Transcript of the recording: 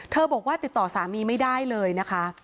บอกว่าติดต่อสามีไม่ได้เลยนะคะ